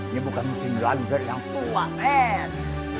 ini bukan musim lanjut yang tua men